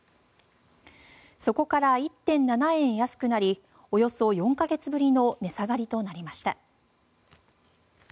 そこから１．７円安くなりおよそ４か月ぶりの値下がりとなりました。